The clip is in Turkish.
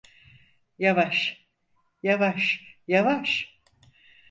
Yavaş, yavaş, yavaş.